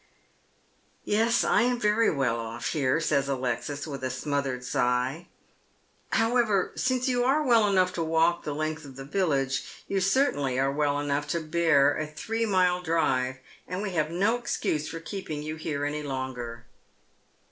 " Yes, I am very well oflE here," says Alexis, with a smothered Bigh. " However, since you are well enough to walk the length of the village you are certainly well enough to bear a three mile drive, and we have no excuse for keeping you here any longer."